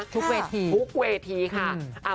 ทุกเวทีทุกเวทีค่ะ